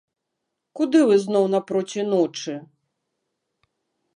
Куды вы зноў напроці ночы?